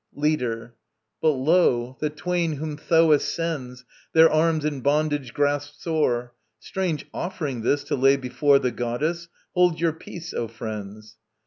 LEADER. But lo, the twain whom Thoas sends, Their arms in bondage grasped sore; Strange offering this, to lay before The Goddess! Hold your peace, O friends.